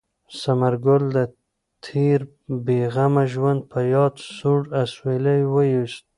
ثمر ګل د تېر بې غمه ژوند په یاد سوړ اسویلی ویوست.